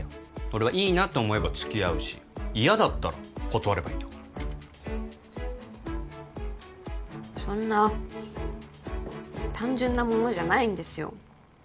俺はいいなと思えばつきあうし嫌だったら断ればいいんだからそんな単純なものじゃないんですよ